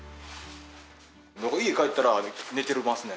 僕家帰ったら寝てますね。